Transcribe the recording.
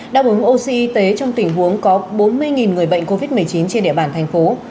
đáp ứng oxy y tế trong tình huống có bốn mươi người bệnh covid một mươi chín trên địa bàn thành phố